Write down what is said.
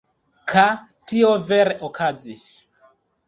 Ka tio vere okazis.